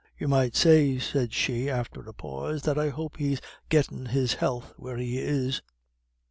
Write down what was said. "You might say," she said, after a pause, "that I hope he's gettin' his health where he is."